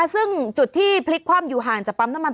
ซึ่งจุดที่พลิกคว่ำอยู่ห่างจากปั๊มน้ำมัน